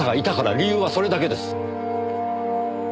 理由はそれだけです。